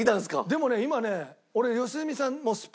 でもね今ね俺。